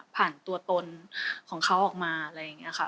ตัวตนของเขาออกมาอะไรอย่างนี้ค่ะ